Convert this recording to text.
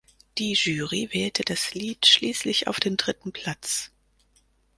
Die Jury wählte das Lied schließlich auf den dritten Platz.